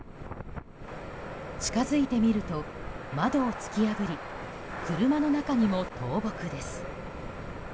近づいてみると、窓を突き破り車の中にも倒木です。